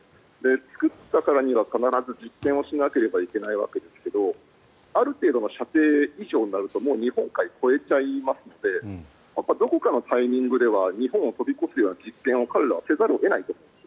作ったからには必ず実験をしなければいけないわけですがある程度の射程以上になると日本海を越えちゃいますのでどこかのタイミングでは日本を飛び越すような実験を彼らはせざるを得ないと。